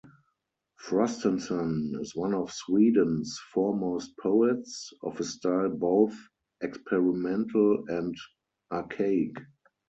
Frostenson is one of Sweden's foremost poets, of a style both experimental and archaic.